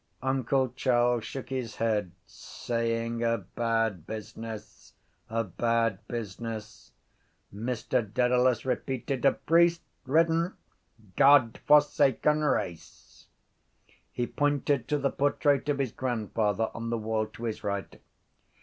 Uncle Charles shook his head, saying: —A bad business! A bad business! Mr Dedalus repeated: —A priestridden Godforsaken race! He pointed to the portrait of his grandfather on the wall to his right.